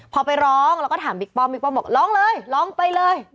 พอไปร้องแล้วก็ถามบิ๊กป้อมบิ๊กป้อมบอกร้องเลยร้องไปเลย